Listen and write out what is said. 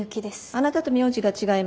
あなたと名字が違います。